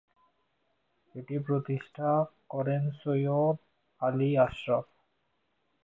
এটি প্রতিষ্ঠা করেন সৈয়দ আলী আশরাফ।